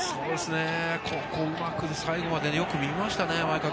ここをうまく最後までよく見ましたね、前川君。